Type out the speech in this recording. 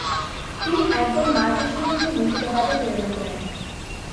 তিনি একদল মারাঠা সৈন্যকে মুর্শিদাবাদে প্রেরণ করেন।